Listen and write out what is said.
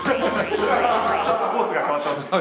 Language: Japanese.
スポーツが変わってます。